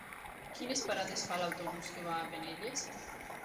Quines parades fa l'autobús que va a Penelles?